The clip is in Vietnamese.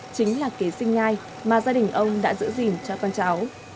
chính là kế sinh nhai mà gia đình ông đã giữ gìn cho con cháu